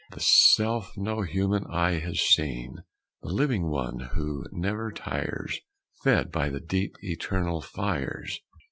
The Self no human eye has seen, The living one who never tires, Fed by the deep eternal fires.